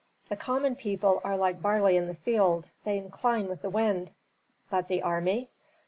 "The common people are like barley in the field, they incline with the wind." "But the army?"